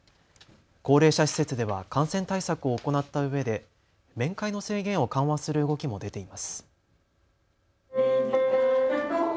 高齢者施設では感染対策を行ったうえで面会の制限を緩和する動きも出ています。